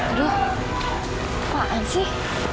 aduh apaan sih